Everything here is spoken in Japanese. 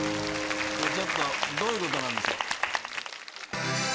ちょっとどういうことなんでしょう。